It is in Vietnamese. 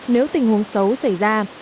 nếu tình huống xấu xảy ra